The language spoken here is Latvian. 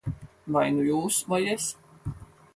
Vai nu jūs, vai es.